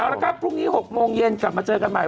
เอาละครับพรุ่งนี้๖โมงเย็นกลับมาเจอกันใหม่